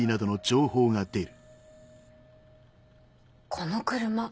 この車。